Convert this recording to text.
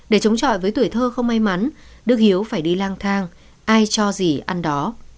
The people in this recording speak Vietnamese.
để chống chọi với tuổi thơ không may mắn đức hiếu phải đi lang thang ai cho gì ăn đó